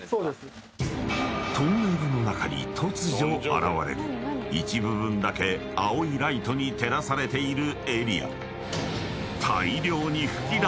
［トンネルの中に突如現れる一部分だけ青いライトに照らされているエリア］